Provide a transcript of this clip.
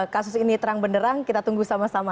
kasus ini terang benderang kita tunggu sama sama